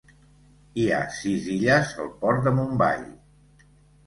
Hi ha sis illes al port de Mumbai.